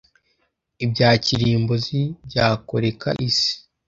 ibya kirimbuzi byakoreka Isi,